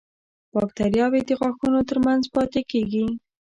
باکتریاوې د غاښونو تر منځ پاتې کېږي.